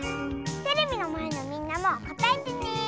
テレビのまえのみんなもこたえてね！